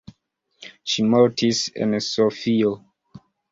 Ŝi mortis en Sofio.